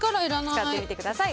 ぜひ使ってみてください。